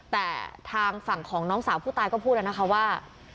แต่ทางฝั่งของน้องสาวผู้ตายก็พูดแล้วนะคะว่า